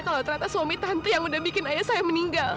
kalau ternyata suami tante yang udah bikin ayah saya meninggal